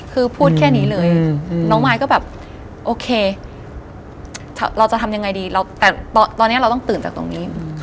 คือพูดแค่นี้เลยน้องมายก็แบบโอเคเราจะทำยังไงดีแต่ตอนนี้เราต้องตื่นจากตรงนี้